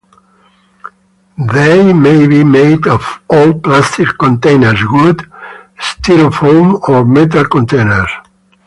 They may be made of old plastic containers, wood, Styrofoam, or metal containers.